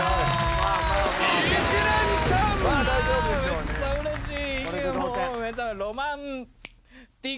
めっちゃうれしい。